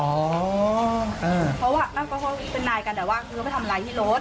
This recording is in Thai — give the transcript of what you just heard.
เพราะว่าเป็นนายกันแต่ว่าคือเขาไปทำอะไรที่รถ